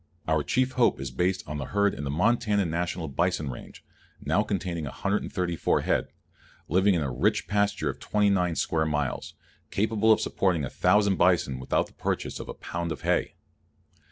Our chief hope is based on the herd in the Montana National Bison Range, now containing 134 head, living in a rich pasture of 29 square miles, capable of supporting 1,000 bison without the purchase of a pound of hay.